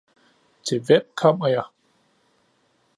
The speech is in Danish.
Til hvem kommer jeg!